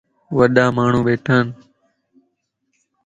وڏا ماڻهون ٻيٽان